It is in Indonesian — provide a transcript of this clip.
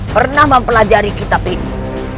pernah mempelajari kitab ini